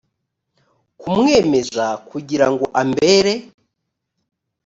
kumweza kugira ngo ambere